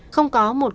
không có một cuộc đời